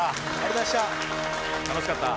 楽しかった。